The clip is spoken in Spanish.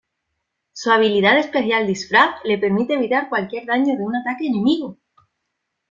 Su habilidad especial "Disfraz", le permite evitar cualquier daño de un ataque enemigo.